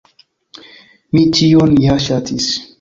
Mi tion ja ŝatis.